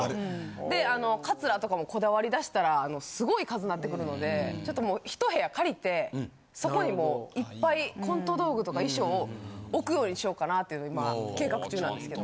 であのカツラとかもこだわり出したらすごい数なってくるのでちょっともうひと部屋借りてそこにもういっぱいコント道具とか衣装を置くようにしようかなって今計画中なんですけど。